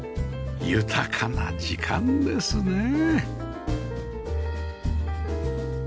豊かな時間ですねえ